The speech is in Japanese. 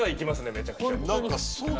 めちゃくちゃ。